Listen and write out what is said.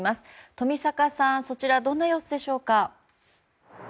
冨坂さん、そちらはどんな様子でしょうか。